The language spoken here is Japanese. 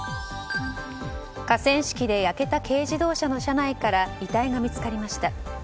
河川敷で焼けた軽自動車の車内から遺体が見つかりました。